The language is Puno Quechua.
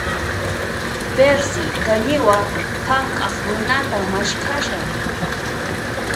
Perci, qañiwa hank'aq runatan maskhashan.